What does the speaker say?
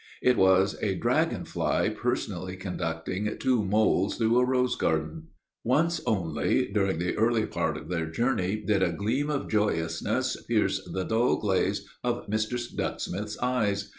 It was a dragon fly personally conducting two moles through a rose garden. Once only, during the early part of their journey, did a gleam of joyousness pierce the dull glaze of Mr. Ducksmith's eyes.